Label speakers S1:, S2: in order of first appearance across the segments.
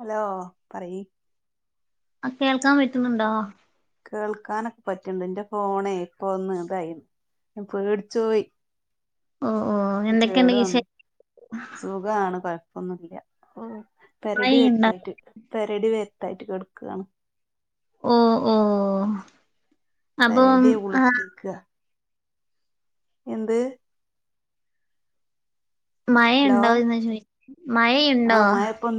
S1: Hello പറയ്...
S2: ആ കേൾക്കാൻ പറ്റുന്നുണ്ടോ?
S1: കേൾക്കാനൊക്കെ പറ്റുണ്ട്! എന്റെ ഫോണേ ഇപ്പ ഒന്ന് ഇതായി പേടിച്ചുപോയി...
S2: ഓ ഓ
S1: ഇത്
S2: എന്തൊക്കെയുണ്ട്
S1: കേടു വന്ന്,,
S2: വിശേഷം
S1: സുഖമാണ് കൊഴപ്പൊന്നുമില്ല. പരടി
S2: മഴയുണ്ടോ
S1: വരുത്തായിട്ട് പെരടി വരുത്തായിട്ട് കിടക്കുകയാണ്..
S2: ഓഹ്! ഓഹ്!
S1: പെരഡി ഉളക്കിക്കുക എന്ത്?? ഹലോ
S2: മഴയുണ്ടോന്നു ചോദിക്ക്,, മഴയുണ്ടോ?
S1: അപ്പം...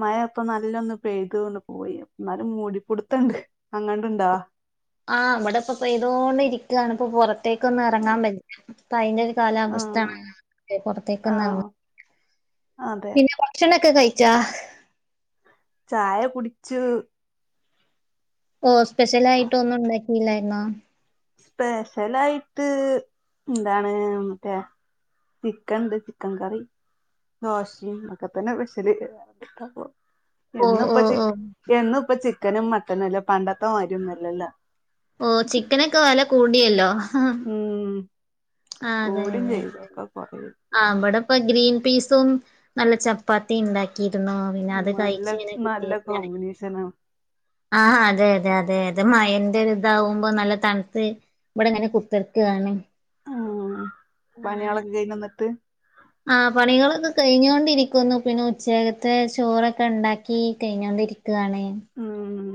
S1: മഴ ഇപ്പൊ നല്ലൊന്ന് പെയ്തൊണ്ട് പോയി, എന്നാലും മൂടിപ്പൊടുത്തണ്ട് അങ്ങണ്ട ഇണ്ട??
S2: ആഹ് ഇവിടെ ഇപ്പൊ പെയ്തോണ്ട് ഇരിക്കുകയാണ്, ഇപ്പൊ പുറത്തേക്കൊന്നും ഇറങ്ങാൻ പറ്റില്ല... ഇപ്പോ അതിന്റെ ഒരു കാലാവസ്ഥയാണ്, പുറത്തേക്കൊന്നും ഇറങ്ങാ...
S1: ആണ്..
S2: പിന്നെ ഭക്ഷണംക്കെ കഴിച്ചാ?
S1: ചായ കുടിച്ചു!
S2: ഓഹ്, സ്പെഷ്യൽ ആയിട്ട് ഒന്നും ഉണ്ടാക്കിയില്ലായിരുന്നോ?
S1: സ്പെഷലായിട്ട്.... എന്താണ് മറ്റേ... ചിക്കൻണ്ട് ചിക്കൻ കറി.. ദോശയും ഒക്കെ തന്നെ സ്പെഷ്യല്...
S2: ഓ
S1: എന്നിപ്പ
S2: ഓ ഓ
S1: ചിക്ക, എന്നിപ്പ ചിക്കനും മട്ടനും അല്ലെ പണ്ടത്തെ മാതിരി ഒന്നും അല്ലല്ലോ.
S2: ഓഹ്,, ചിക്കനൊക്കെ വെല കൂടിയല്ലോ?
S1: ഉം...
S2: അതെ
S1: കൂടിയും
S2: അതെ
S1: ചെയ്തു
S2: അതെ
S1: ഒക്കെ കുറേയായി...
S2: ആ ഇവടെ ഇപ്പ ഗ്രീൻ പീസും നല്ല ചപ്പാത്തിം ഇണ്ടാക്കിയിരുന്നു പിന്നെ അത്
S1: നല്ല
S2: കഴിച്ച് ഇങ്ങനെ
S1: നല്ല
S2: കുത്തിരി ക്കാണ്
S1: കോമ്പിനേഷനാണ്
S2: ആഹ് അതെ അതെ അതെ അതെ മയന്റെ ഇതാവുമ്പോ നല്ല തണുത്ത് ഇവിടെ ഇങ്ങനെ [unintelligible]
S1: ആഹ് പണിയികളൊക്കെ കയിഞ്ഞ ഇന്നിട്ട്
S2: ആഹ് പണികളൊക്കെ കഴിഞ്ഞോണ്ടിരിക്കുന്നു പിന്നെ ഉച്ചകത്തെ ചോറൊക്കെണ്ടാക്കി കഴിഞ്ഞോണ്ടിരിക്കു [unintelligible]
S1: ഉം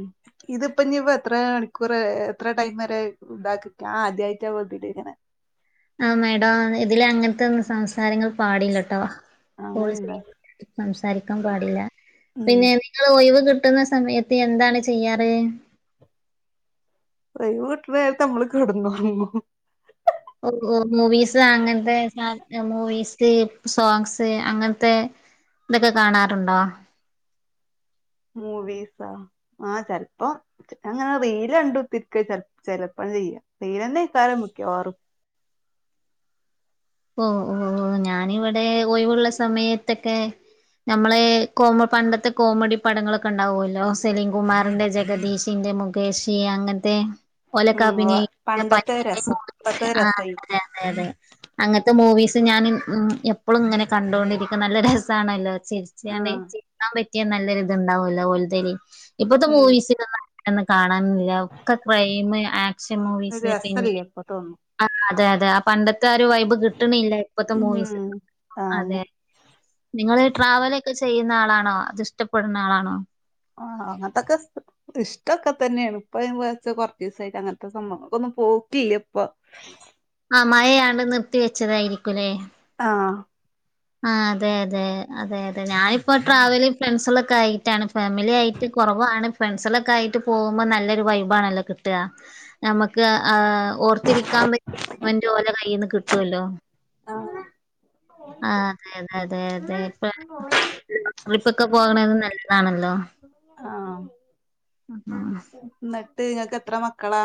S1: ഇതിപ്പ ഞ്ഞിപ്പ എത്ര മണിക്കൂറ എത്ര ടൈം വരെ ഇതാക്കിക്ക ഞാ ആദ്യമായിട്ടാ [unintelligible] ങ്ങനെ
S2: ആ മേഡം ഇതില് അങ്ങനത്തെന്നും സംസാരങ്ങൾ പാടില്ലട്ടോ
S1: അങ്ങനെയുണ്ടാ
S2: [unintelligible] സംസാരിക്കാൻ പാടില്ല
S1: ഉം
S2: പിന്നെ ഒയിവ് കിട്ടുന്ന സമയത്ത് എന്താണ് ചെയ്യാറ്?
S1: ഒയിവ് കിട്ടുന്നേരത്ത് നമ്മള് കെടന്നൊറ ങ്ങു
S2: ഓഓ മൂവീസ് അങ്ങനത്തെ മൂവീസ് സോങ്സ് അങ്ങനത്തെ ഇതൊക്കെ കാണാറുണ്ടോ?
S1: മൂവീസ ആഹ് ചെലപ്പോ അങ്ങനെ റീല് കണ്ട് കുത്തിരിക്ക ചെലപ്പോ ചെയ്യാ റീലെന്നെ ഇക്കാലം മിക്കവാറും
S2: ഓഹ് ഓഹ് ഞാനിവിടെ ഒയിവുള്ള സമയത്തെക്കെ നമ്മള് കോമ പണ്ടത്തെ കോമഡി പടങ്ങളൊക്കെ ഉണ്ടാവുല്ലോ സെലിം കുമാറിന്റെ ജഗദീഷിന്റെ മുഖ ഏശി അങ്ങത്തെ
S1: ഉം ഉവ്വ്
S2: ഒലക്കാപ്പിനെ
S1: പണ്ടത്തെ രസം ഇപ്പത്തെ
S2: ആഹ്
S1: രസയി
S2: അതെ അതെ അതെ അങ്ങനത്തെ മൂവീസ് ഞാന് എപ്പോളും ഇങ്ങനെ കണ്ടോണ്ടിരിക്കും നല്ല രസാണെല്ലോ അത് ചരിച്ചണ്ട്
S1: ആഹ്
S2: ചിരിക്കാൻ പറ്റിയാ നല്ലൊ രി ത്ണ്ടാവുംല്ല ഒലത്തേല് ഇപ്പത്തെ
S1: ഉം
S2: മൂവീസിൽ എന്നാ ഒന്ന് കാണാനുല്ല ഒക്കെ ക്രൈം ആക്ഷൻ
S1: ഒരു
S2: മൂവീസ് പിന്നെ
S1: രസല്ല ഇപ്പത്തൊന്നും
S2: ആഹ് അതെ അതെ ആ പണ്ടത്തെ ഒരു വൈബ് കിട്ടണില്ല ഇപ്പത്തെ മൂവീസ്.
S1: ഉം ആന്നെ
S2: അതെ നിങ്ങള് ട്രാവലൊക്കെ ചെയ്യുന്ന ആളാണോ? അത് ഇഷ്ടപ്പെടുന്ന ആളാണോ?
S1: ആഹ് അങ്ങത്തക്ക ഇഷ്ടൊക്കെ തന്നെണ് ഇപ്പ കൊറച്ച് ദിവസായിട്ട് അങ്ങനത്തെ സംഭവങ്ങക്കൊന്നും പോക്കില്ല പ്പൊ
S2: ആ മഴയാണ്ട് നിർത്തി വെച്ചതായിരിക്കുലേ?
S1: ആഹ്
S2: ആഹ് അതെ അതെ അതെ അതെ ഞാനിപ്പോ ട്രാവല് ഫ്രണ്ട്സളൊക്കെ ആയിട്ടാണ് ഫാമിലി ആയിട്ട് കുറവാണ്. ഫ്രണ്ട്സളൊക്കെ ആയിട്ട് പോകുമ്പോ നല്ലൊരു വൈബാണല്ലോ കിട്ടാ നമുക്ക് ആഹ് ഓർത്തിരിക്കാൻ പറ്റി [unintelligible] ഓല കയിന്ന് കിട്ടുഅല്ലോ?
S1: ആഹ്
S2: ആഹ് അതെ അതെ അതെ അതെ ഇപ്പ ട്രിപ്പൊക്കെ പോകണത് നല്ലതാണല്ലോ?
S1: ആഹ്
S2: ഉം.
S1: ന്നിട്ട് ഇങ്ങക്ക് എത്ര മക്കളാ?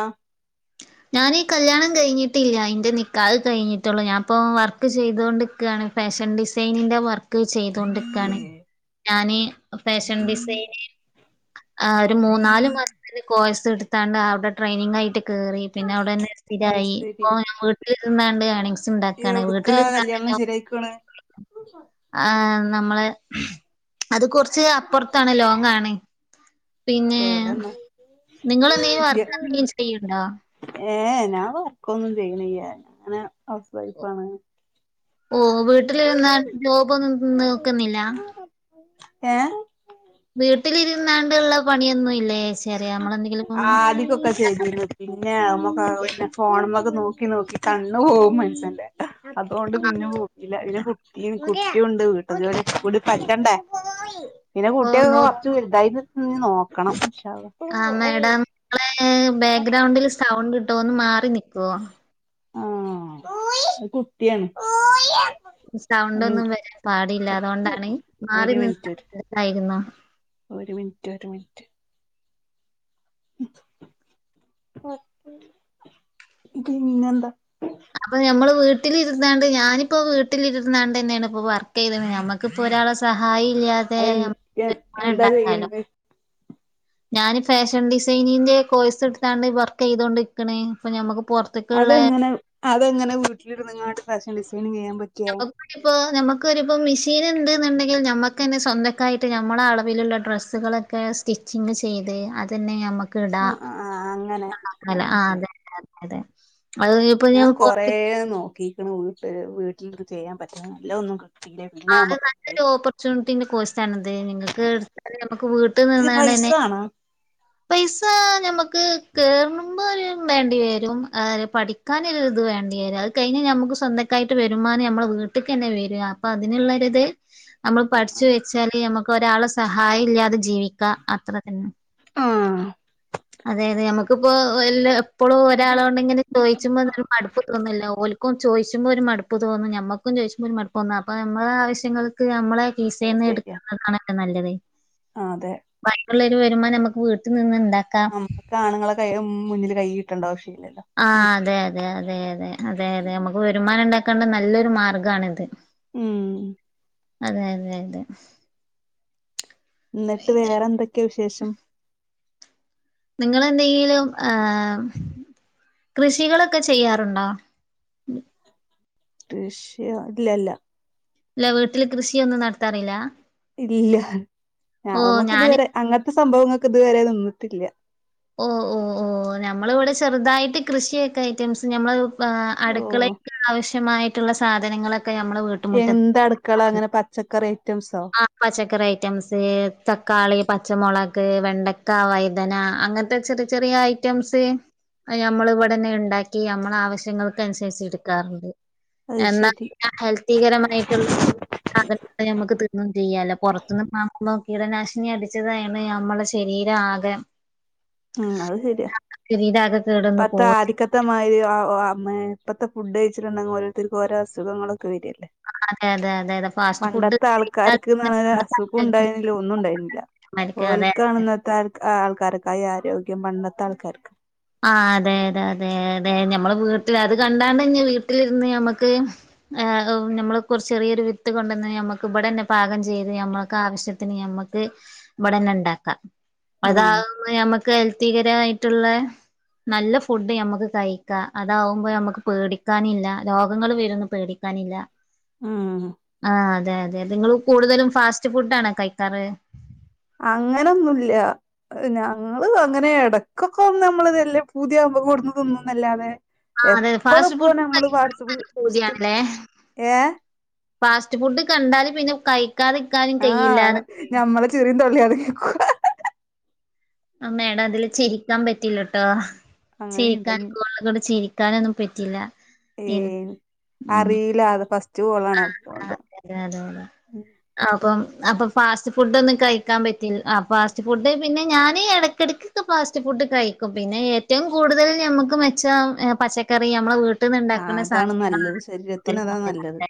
S2: ഞാനീ കല്യാണം കഴിഞ്ഞിട്ടില്ല ഇന്റെ നിക്കാഹ് കഴിഞ്ഞിട്ടുള്ളു. ഞാൻ ഇപ്പം വർക്ക് ചെയ്തോണ്ടിക്കാണ് ഫേഷൻ ഡിസൈനിന്റെ വർക്ക് ചെയ്തൊണ്ടിരിക്കാണ്
S1: ഏഹ്
S2: ഞാന് ഫാഷൻ ഡിസൈന് ആ്ഹ് ഒരു മൂന്നാല് മാസത്തെ കോഴ്സ് എടുത്താണ്ട് അവിടെ ട്രെയിനിങ് ആയിട്ട് കേറി പിന്നെ അവിടെന്നെ
S1: അത്
S2: സ്ഥിരായി
S1: ശരി
S2: ഇപ്പ ഞാൻ വീട്ടില് നിന്നാണ്ട് ഏണി സ് ഇണ്ടാക്കാണ്
S1: എവിടുക്കാ
S2: വീട്ടിലിരുന്ന
S1: കല്യാണം
S2: പിന്നേ
S1: ശരിയായിക്കോണ്
S2: ആഹ് നമ്മളെ അത് കുറച്ച് അപ്പുറത്താണ് ലോങ്ങാണ്. പിന്നേ
S1: എവിടെന്നാ
S2: നിങ്ങെളെന്തെലും വർക്ക് എന്തെലും ചെയ്യ്ണ്ടോ?
S1: ഏഹ് ഞാൻ വർക്കൊന്നും ചെയ്യണില്ല അങ്ങനെ ഹൗസ് വൈഫാണ്.
S2: ഓഹ് വീട്ട വീട്ടിലിന്ന ജോബൊന്നും നോക്കുന്നില്ല?
S1: ഏഹ്
S2: വീട്ടിലിരുന്നാണ്ടുള്ളപണിയൊന്നുല്ല?
S1: ആ അതിക്കൊക്കെ ശരി പിന്നെഞമ്മക്ക് പിന്നെ ഫോണമ്മക്ക്നോക്കി നോക്കി കണ്ണ് പോകും മനസ്സ്ന്റെ. അതോണ്ട് പിനോം ഇല്ല പിന്നെ കുട്ടി കുട്ട്യൂണ്ട് വീട്ട്ജോലിക്കക്കൂടി പറ്റണ്ടേ? പിന്നെ
S2: ഓ
S1: കുട്ട്യോക്കെ
S2: നോ
S1: കൊറച്ച് വലുതായിട്ടൊക്കെനി നോക്കണം ഇന്ശാള്ള.
S2: ആഹ് മേഡം നിങ്ങളെ ബാക്ക്ഗ്രൗണ്ടിൽ സൗണ്ട്ണ്ട്‌ ഒന്ന് മാറിനിക്കൊ
S1: അകുട്ട്യാണ്
S2: സൗണ്ടൊന്നും വരാൻ പാടില്ല അതോണ്ടാണ് മാറി
S1: ഒരു മിനിറ്റ്
S2: നിന്നാ
S1: ഒരു
S2: [unintelligible]
S1: ഒരു മിനിറ്റ് ഒരു മിനിറ്റ് പിന്നെന്താ
S2: അപ്പൊ ഞമ്മള് വീട്ടിലിരുന്നാണ്ട് ഞാനിപ്പോ വീട്ടിലിരുന്നാണ്ട്ന്നെണ് ഇപ്പൊ വീട്ടിലിര്ന്നാനടനെയാണ് വർക്ക് ചെയനെ ക്ക്പ്പോ ഒരാളെ സഹായില്ലാ
S1: എഹാ ഏഹ് എന്താ ചെയ്യണത്
S2: ഞാൻ ഫാഷൻ ഡിസൈനിന്റെ കോഴസ് എടുത്താണ്ട് വർക്ക് ചെയ്തോണ്ടിക്കണ് ഇപ്പൊ ഞമ്മുക്ക് പൊറ
S1: അതെങ്ങനെ അതെങ്ങനെ വീട്ടിലിരുനിങ്ങാണ്ട്‌ ഫാഷൻ ഡിസയിനിങ് ചെയ്യാൻ പറ്റും
S2: [unintelligible] ഇപ്പ നമുക്കൊരിപ്പം മെഷീനിണ്ട്‌ന്നിണ്ടെങ്കിൽ ഞമ്മക്കന്നെ സ്വന്തക്കായിട്ട് നമ്മെള അളവിലുള്ള ഡ്രസ്സുകൾ ക്കെ സ്റ്റിച്ചിങ്ങ് ചെയ്ത് അതനെ ഞമ്മക്ക് ഇടാ
S1: ആ ആ ആ അങ്ങനെ ആ
S2: ഉണ്ടാക്കാലെ ആഹ്
S1: മനസ്സിലായി
S2: അതെതെ അതെ അത് ഇപ്പൊ
S1: ഞാൻ കൊറെ
S2: പൊറത്ത്
S1: നോക്കിക്ക്ണ് വീട്ട വീട്ടിലിരിന്ന് ചെയ്യാൻ പറ്റാ നലൊന്നും
S2: ആഹ് അത് നല്ലൊരു ഓപ്പർച്യൂണിറ്റിന്റെ കോഴ്സ് ആണത് നിങ്ങക്ക് എടുത്ത നമുക്ക് വീട്ടിൽ
S1: ഇത് പൈസ
S2: നിന്നാണ്ട്ന്നെ
S1: ആണോ
S2: പൈസ ഞമക്ക് കേറുമ്പോരു വേണ്ടിവരും ആ പഠിക്കാനതൊര് വേണ്ട്യരും പഠിക്കാൻ അകയിഞാൽ നമുക്ക് സ്വന്തക്കായിട്ട് വരുമാനം ഞമളെ വീ ട്ടക്ക്ന്നെ വരും അപ്പൊ അതിനുള്ളൊരുത് നമ്മൾ
S1: ആ
S2: പഠിച്ചു വെച്ചാല് ഞമ്മുക്ക് ഒരാളെ സഹായില്ലാതെ ജീവിക്കാ അത്ര തന്നെ
S1: ആഹ്
S2: അതെ അതെ ഞമ്മുക്കിപ്പോ എല്ല എപ്പളും ഒരാളോണ്ടിങ്ങനെ ചോയിച്ചുമ്പോ മടുപ്പ് തോന്നലോ ഓൽക്കും ചോയിച്ചുമ്പോ ഒരു മടുപ്പ്തോന്നും ഞമ്മക്കും ചോയിച്ചുമ്പൊ മടുപ്പ് തന്ന അപ്പോ നമ്മുടെ ആവശ്യങ്ങൾ ക്ക് ഞമ്മളെ കീസേന്ന് എടുക്കുന്നകണക്ക്നല്ലത്
S1: ആഹ് അതെ
S2: വയ്ബ്ള്ളരു വരുമ്പോം ഞമക്ക് വീട്ടിൽ നിന്ന്ണ്ടാക്കാ
S1: നമുക്ക് ആണുങ്ങളെ കൈ മുന്നിൽ കൈയിട്ടുണ്ടാവശ്യല്ലല്ലോ
S2: ആഹ് അതെ അതെ അതെ അതെ അതെ അതെ നമുക്ക് വരുമാനം ഉണ്ടാക്കേണ്ട നല്ലൊരു മാർഗ്ഗണിത്
S1: ഉം
S2: അതെ അതെ അതെ
S1: എന്നിട്ട് വേറെന്തൊക്ക വിശേഷം
S2: നിങ്ങെളെന്തെങ്കിലും ഏഹ് കൃഷികളൊക്കെ ചെയ്യാറുണ്ടോ
S1: കൃശ്യെ ഇല്ലല്ല
S2: ഇല്ല വീട്ടില് കൃഷിയൊന്നും നടത്താറില്ല
S1: ഇല്ല
S2: ഓഹ്
S1: ഞമ്മക്ക്
S2: ഞാന്
S1: ഇതുവരെ അങ്ങനത്തെ സംഭവങ്ങൾക്ക് ഇതുവരെ നിന്നിട്ടില്ല
S2: ഓ ഓ ഓ ഞമ്മളിവിടെ ചെറുതായിട്ട് കൃഷിയൊക്കെ ഐറ്റംസ് ഞമ്മള്
S1: ഓ
S2: അടുക്കളയ്ക്ക് ആവശ്യമായിട്ടുള്ള സാധനങ്ങളൊക്കെ ഞമ്മൾ വീട്ട്
S1: എന്ത അടുക്കള ഇങ്ങനെ പച്ചക്കറി ഐറ്റംസോ
S2: പച്ചക്കറി ഐറ്റംസ് തക്കാളി പച്ചമൊളക് വെണ്ടക്ക വൈതന അങ്ങനത്തെ ചെറി ചെറിയ ഐറ്റംസ് അയ്ഞമ്മള് ഇവിടെനെണ്ടാക്കി നമ്മൾ ആവശ്യങ്ങൾ അനുസരിച്ചടുക്കാ
S1: അത്
S2: എന്നാ
S1: ശെരി
S2: ഹെൽത്തികരമായിട്ടുള്ള നമുക്ക് തീ തിന്നും ചെയ്യാലൊ പൊറത്തന്ന് മാ നോക്കി ഇവിടെ കീടനാശിനി അടിച്ചതാണ് അമ്മളെ ശരീരം ആകെ
S1: ഉം അത് ശരിയാ
S2: ആഹ് ശരീരാകെ കേട്വന്ന് പോ
S1: ത്തരി ഇപ്പത്തെ ഫുഡ് കഴിച്ചിട്ടുണ്ടെങ്കിൽ ഓരോരുത്തർക്ക് ഓരോ അസുഖങ്ങളൊക്കെ വരില്ലേ
S2: അതെ അതെ അതെ അതെ ഫാസ്റ്റ് ഫുഡ്
S1: പണ്ടത്തെ
S2: കഴിച്ചാൽ
S1: ആൾക്കാർക്ക്ന്ന്
S2: തന്നെ
S1: പറഞ്ഞ
S2: നമ്മുടെ
S1: അസുഖം
S2: ആരോഗ്യം
S1: ഉണ്ടായിരുന്നില്ല ഒന്നും ഉണ്ടായിരുന്നില്ല
S2: മരിക്കും
S1: ഓൽ
S2: അതെ
S1: കാണുന്ന ആഹ് ആൾക്കാരൊക്കെ ആരോഗ്യം പണ്ടത്തെ ആൾക്കാർക്ക
S2: ആഹ് അതെ അതെ അതെ അതെ ഞമ്മള് വീട്ടിൽ അത് കണ്ടാണ്ട് വീട്ടിലിരുന്ന് ഞമ്മക്ക് നമ്മൾ കുറ ചെറിയരു വിത്ത് കൊണ്ടന്ന് നമ്മുക്ക് ഇവിടെ തന്നെ പാകം ചെയ്ത് ഞമ്മൾക്ക് ആവശ്യത്തി നമ്മക്ക് ഇവിടന്നെ ഉണ്ടാക്കാം
S1: ഉം
S2: അതുമ്പ ഞമ്മുക്ക് ഹെൽത്തികരമായിട്ടുള്ള നല്ല ഫുഡ് മ്മുക്ക് കഴിക്കാം അതാവുമ്പോൾ നമ്മക്ക് പേടിക്കാനില്ല രോഗങ്ങൾ വരും ന്ന് പേടിക്കാനില്ല
S1: ഉം
S2: ആഹ് അതെ അതെ നിങ്ങള്ൾ കൂടുതലും ഫാസ്റ്റ് ഫുഡ ആണ കഴിക്കാറ്
S1: അങ്ങനൊന്നുല്ല ഞങ്ങള് അങ്ങനെ ഇടക്കൊക്കെ നമ്മൾ ഇതെല്ലേ പുതിയാ [unintelligible] കൊടുന്നതൊന്നുംന്നല്ലാതെ
S2: ആഹ് അതെ
S1: എപ്പള
S2: ഫാസ്റ്റ്
S1: ഇപ്പോ
S2: ഫുഡ്
S1: നമ്മള്
S2: കഴിക്കാൻ
S1: വാട്സപ്പ്സ്
S2: നല്ല
S1: ഫസ്റ്റ്
S2: പൂതിയാണ്ല്ലേ
S1: ഏ
S2: ഫാസ്റ്റ് ഫുഡ് കണ്ടാല് പിന്നെ കഴിക്കാതിരിക്കാനും കഴയില്ല
S1: ആഹ് [unintelligible]
S2: ആ മേഡം അതില് ചിരിക്കാൻ പറ്റലട്ടോ ചിരിക്കാൻ
S1: അങ്ങനെയുണ്ടനി
S2: [unintelligible] കൂടെ ചിരി കിട്ടാനൊന്നും പെറ്റില്ല
S1: ഏ അറിയില്ല അത് ഫസ്റ്റ് കോളാണ് അതുകൊണ്ട്
S2: ആഹ് അതെ അതെ അതെ അപ്പം അപ്പൊ ഫാസ്റ്റ് ഫുഡ് ഒന്നും കഴിക്കാൻ പറ്റില്ല ആ ഫാസ്റ്റ് ഫുഡ് പിന്നെ ഞാനൻ ഇടക്കിടക്ക് ഫാസ്റ്റ് ഫുഡ് കഴിക്കും പിന്നെ ഏറ്റവും കൂടുതൽ നമുക്ക് മെച്ച പച്ചക്കറി നമ്മളെ വീട്ട
S1: ആഹ്
S2: വീട്ടന്ന്ണ്ടാക്കുന്ന
S1: അതാണ് നല്ലത്
S2: സാധനങ്ങളാണ്
S1: ശരീരത്തിന് അതാ
S2: [unintelligible]
S1: നല്ലത്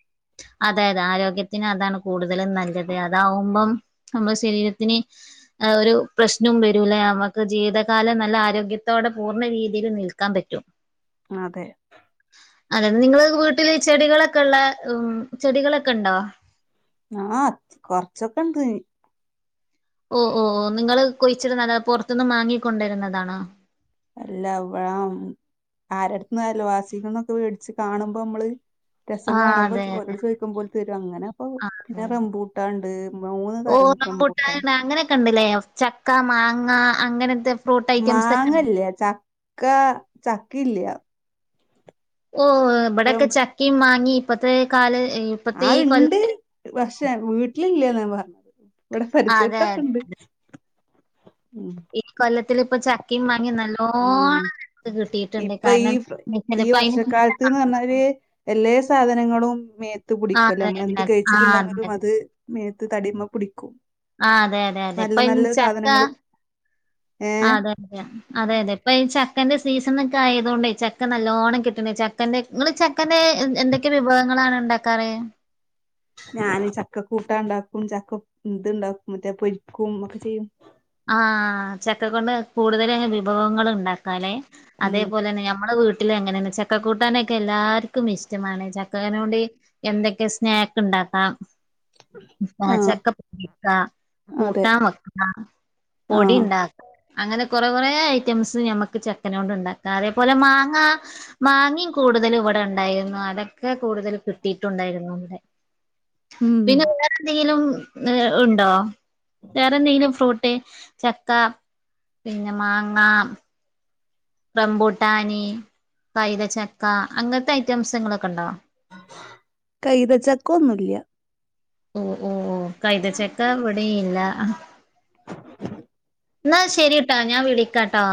S2: അതെതെ ആരോഗ്യത്തിന് അതാണ് കൂടുതലും നല്ലത് അതാവുമ്പം. നമ്മുടെ ശരീരത്തിനന് ഒരു പ്രശ്നവും വരൂല്ല നമുക്ക് ജീവിതകാലം നല്ല ആരോഗ്യത്തോടെ പൂർണ്ണ രീതിയിൽ നിൽക്കാൻ പറ്റും
S1: അതെ
S2: അതെ നിങ്ങള് വീട്ടില് ചെടികളൊക്കെ ഉള്ള ഉ ചെടികളൊക്കെ ഉണ്ടോ
S1: ആഹ് കൊറച്ചൊക്കെ ഉണ്ട്
S2: ഓ ഓ ഓ നിങ്ങൾ കൊഴിച്ചിരുന്നല്ല പുറത്തൊന്നും വാങ്ങിക്കണ്ടുവരുന്നതാണോ
S1: അല്ല വാം ആരുടുത്തന്ന്ല്ല വസികന്നൊക്കെ മേടച്ച് കാണുമ്പോ നമ്മള് രസം
S2: ആഹ്
S1: കാണുമ്പോൾ
S2: അതെ അതെ
S1: ഒരോട് ചോദിക്കുമ്പോലെ തരും അങ്ങനെ അപ്പൊ
S2: ആഹ്
S1: പിന്നെ
S2: അതെ
S1: റംമ്പൂട്ട ഉണ്ട് മൂന്ന് തരം റംബൂട്ടാൻ
S2: റംപൂട്ടാൻ അങ്ങനെയൊക്കെ ഉണ്ടല്ലേ ചക്ക മാങ്ങ അങ്ങനത്തെ ഫ്രൂട്ട് ഐറ്റംസ് ഒക്കെ
S1: മാങ്ങ
S2: ഉണ്ട്.
S1: ഇല്ല്യ ചക്ക ചക്ക ഇല്യ
S2: ഓ ഇവിടെൊക്കെ
S1: റം
S2: ചക്കയും മാങ്ങയും ഇപ്പത്തെ കാല്
S1: ആ ഇണ്ട് പക്ഷേ വീട്ടില ഇല്ലന്നഞൻ പറഞ്ഞത് ഇവിടെ
S2: അതെ
S1: പരിസരത്തൊക്കെ
S2: അതെ
S1: ഉണ്ട് ഉ
S2: ഈ കൊല്ലത്തി ഇപ്പ ചക്കയും മാങ്ങയും നല്ല
S1: ഉം
S2: നല്ലോണം കിട്ടിയിട്ടുണ്ട്
S1: ഇപ്പൊ
S2: കാരണം [unintelligible]
S1: അവര് എല്ലാ സാധനങ്ങളും മേത്ത് പടിക്കല്ലേ
S2: ആഹ് അതെ
S1: നമ്മള
S2: അതെ
S1: എന്ത്
S2: അതെ ആഹ് അതെ
S1: കഴിച്ചിട്ടുണ്ടെങ്കിലും
S2: അതെ
S1: അത് മേത്ത് തടിയ്മ പിടിക്കും
S2: ആഹ് അതെ അതെ അതെ
S1: നല്ല
S2: ഇപ്പൊ ഇ
S1: നല്ല
S2: ചക്ക
S1: സാധനങ്ങള് ഏഹ്
S2: അതെ അതെ അതെ അതെ ഇപ്പൊ ഈ ചക്കന്റെ സീസൺ ഒക്കെ ആയതുകൊണ്ട് ച ചക്കെ നല്ല ഓണം കിട്ടണ ചക്കന്റെ നിങ്ങള് ചക്കന്റെ എന്തൊക്കെ വിഭവങ്ങളാണ് ഉണ്ടാക്കാറ്
S1: ഞാൻ ചക്ക കൂട്ട ഉണ്ടാക്കും ചക്ക ഇതുണ്ടാക്കും മറ്റേ പൊരിക്കും ഒക്കെ ചെയ്യും
S2: ആഹ് ചക്ക കൊണ്ട് കൂടുതലങ്‌ വിഭവങ്ങള് ഉണ്ടാ കലെ
S1: ഉം
S2: അതേപോലെ തന്നെ നമ്മെ വീട്ട് വീട്ടില് അങ്ങനന്നെ ചക്ക കൂട്ടാനൊക്കെ എല്ലാർക്കും ഇഷ്ടമാണ് ചക്കനോണ്ട് എന്തൊക്കെ സ്നാക്ക് ഉണ്ടാക്കാം
S1: ആഹ്
S2: ചക്കപ്പ ണ്ടാക്കാം
S1: അതെ
S2: കൂട്ടാൻ വെക്കാം പൊടി
S1: ആഹ്
S2: ഉണ്ടാക്ക അങ്ങനെ കൊറെ കുറേ ഐറ്റംസ് ഞമ്മക്ക് ചക്കന കൊണ്ട് ഉണ്ടാക്കാം അതേപോലെ മാങ്ങ മാങേമം കൂടുതലും ഇവിടെ ഉണ്ടായിരുന്നു അതൊക്കെ കൂടുതൽ കിട്ടിയിട്ടുണ്ടായിരുന്നു ഇവിടെ
S1: ഉം
S2: പിന്നെ വേറെന്തെങ്കിലും ഉണ്ടോ വേറെന്തെങ്കിലും ഫ്രൂട്ട് ട്ട് ചക്ക പിന്നെ മാങ്ങ റമ്പൂട്ടാന് കൈതച്ചക്ക അങ്ങന് ത്തെ ഐറ്റംസ്ങ്ങളൊക്കെ ഉണ്ടോ?
S1: കൈതച്ചക്ക ഒന്നുല്യ
S2: ഓ ഓ ഓ കൈതച്ചക്ക ഇവിടെയില്ല എന്നാ ശരിട്ടാ ഞാൻ വിളിക്കാട്ടോ